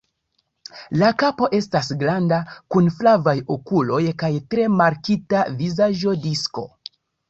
La kapo estas granda, kun flavaj okuloj kaj tre markita vizaĝo disko.